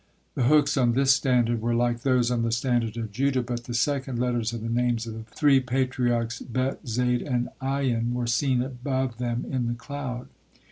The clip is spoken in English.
The hooks on this standard were like those on the standard of Judah, but the second letters of the names of the three Patriarchs, Bet, Zade, and 'Ayyin were seen above them in the cloud.